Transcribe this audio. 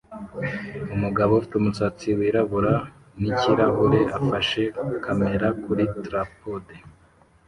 Umugabo ufite umusatsi wirabura nikirahure afashe kamera kuri trapode